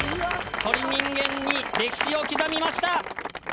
『鳥人間』に歴史を刻みました。